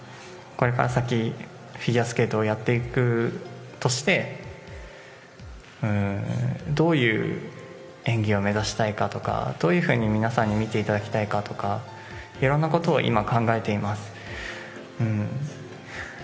これから先、フィギュアスケートをやっていくとして、どういう演技を目指したいかとか、どういうふうに皆さんに見ていただきたいかとか、いろんなことを今、考えています。